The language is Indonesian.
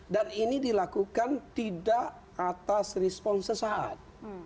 dan ini dilakukan tidak atas respon sesaat